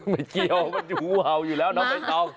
ไม่เกี่ยวมันดูเห่าอยู่แล้วน้องใบตอง